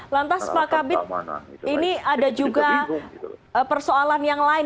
lantas pak kabit ini ada juga persoalan yang lain